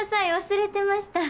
忘れてました。